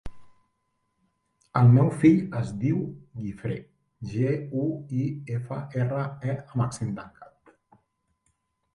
El meu fill es diu Guifré: ge, u, i, efa, erra, e amb accent tancat.